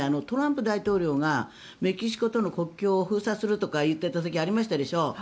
トランプ大統領がメキシコとの国境を封鎖するとか言っていた時ありましたでしょ。